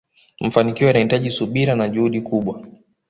mafanikio yanahitaji subira na juhudi kubwa